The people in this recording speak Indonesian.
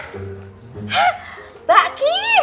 hah mbak kim